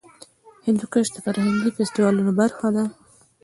هندوکش د فرهنګي فستیوالونو برخه ده.